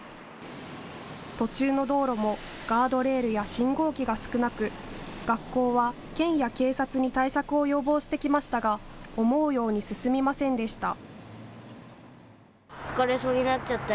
途中の道路もガードレールや信号機が少なく学校は県や警察に対策を要望してきましたが思うように進みませんでした。